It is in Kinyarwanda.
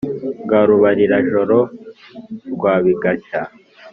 Bwa Rubarirajoro rwa Bigashya